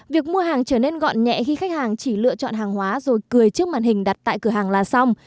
việc mua hàng trở nên gọn nhẹ khi khách hàng chỉ lựa chọn hàng hóa rồi cười trước màn hình đặt tại cửa hàng là xong